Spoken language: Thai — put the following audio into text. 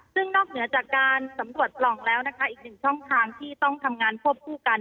ซึ่งนอกเหนือจากการสำรวจปล่องแล้วนะคะอีกหนึ่งช่องทางที่ต้องทำงานควบคู่กัน